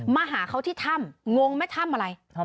มาหาเขาที่ถ้ำงงไหมถ้ำอะไร